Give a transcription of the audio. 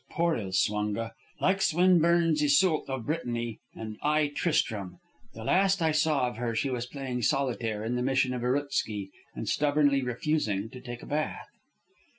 Poor Ilswunga! Like Swinburne's Iseult of Brittany, and I Tristram! The last I saw of her she was playing solitaire in the Mission of Irkutsky and stubbornly refusing to take a bath."